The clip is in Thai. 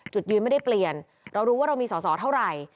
จุดยืนไม่ได้เปลี่ยนเรารู้ว่าเรามีสอสอเท่าไหร่